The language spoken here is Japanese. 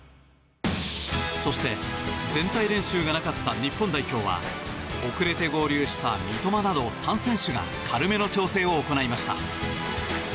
そして、全体練習がなかった日本代表は遅れて合流した三笘など３選手が軽めの調整を行いました。